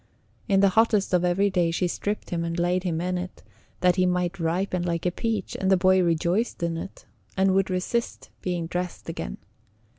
In the hottest of every day she stripped him and laid him in it, that he might ripen like a peach; and the boy rejoiced in it, and would resist being dressed again.